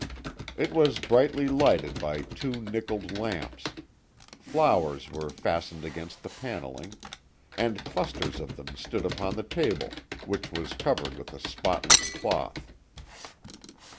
It was brightly lighted by two nickelled lamps; flowers were fastened against the panelling, and clusters of them stood upon the table, which was covered with a spotless cloth.